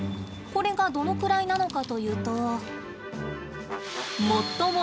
これがどのくらいなのかというと最も